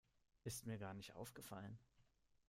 Ist mir gar nicht aufgefallen.